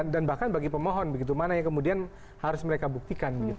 dan bahkan bagi pemohon bagaimana yang kemudian harus mereka buktikan